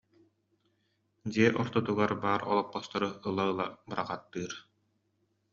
Дьиэ ортотугар баар олоппостору ыла-ыла быраҕаттыыр